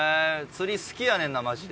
釣り好きやねんなマジで。